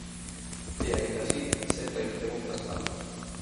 E aínda así, sempre hai preguntas trampa...